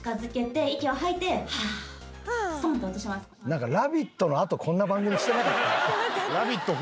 なんか『ラヴィット！』のあとこんな番組してなかった？